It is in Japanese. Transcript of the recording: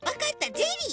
ゼリー。